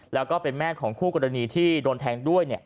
แล้วก็เป็นแม่ของคู่กรณีที่โดนแทงด้วย